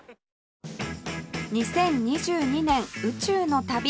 ２０２２年宇宙の旅